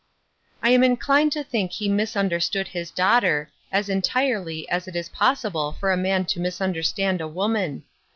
I am inclined to think he misunderstood his daughter as entirely as it is possible for a man to misunderstand a woman.